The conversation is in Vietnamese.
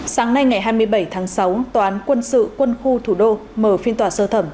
sáng nay ngày hai mươi bảy tháng sáu tòa án quân sự quân khu thủ đô mở phiên tòa sơ thẩm